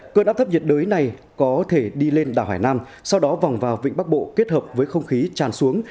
cơn áp thấp nhiệt đới này có thể đi lên đảo hải nam sau đó vòng vào vịnh bắc bộ kết hợp với không khí tràn xuống